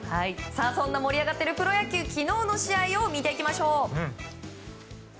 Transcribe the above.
そんな盛り上がっているプロ野球昨日の試合を見ていきましょう。